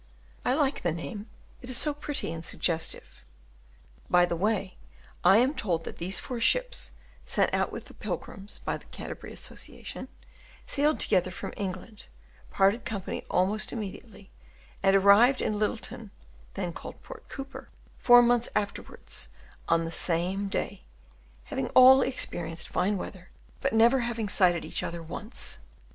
I like the name; it is so pretty and suggestive. By the way, I am told that these four ships, sent out with the pilgrims by the Canterbury Association, sailed together from England, parted company almost directly, and arrived in Lyttleton (then called Port Cooper) four months afterwards, on the same day, having all experienced fine weather, but never having sighted each other once.